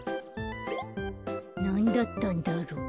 なんだったんだろう。